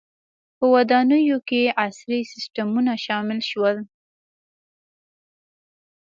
• په ودانیو کې عصري سیستمونه شامل شول.